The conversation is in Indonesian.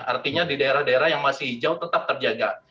artinya di daerah daerah yang masih hijau tetap terjaga